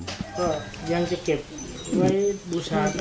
ก็ยังจะเก็บไว้บูชาต่อ